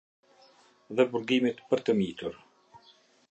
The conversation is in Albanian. Dhe burgimit për të mitur.